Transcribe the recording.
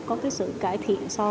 có sự cải thiện